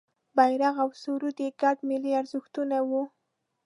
بېرغ او سرود یې ګډ ملي ارزښتونه وي.